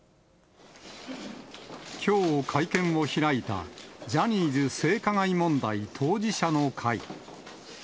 きょう会見を開いた、ジャニーズ性加害問題当事者の会。